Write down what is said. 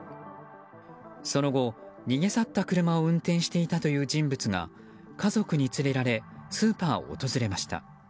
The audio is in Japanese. その後、逃げ去った車を運転していたという人物が家族に連れられスーパーを訪れました。